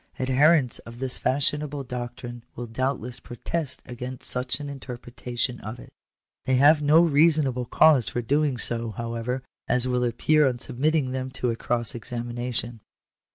Adherents of this fashionable doctrine will doubtless protest against such an interpretation of it They have no reasonable cause for doing so, however, as will appear on submitting them to a cross examination.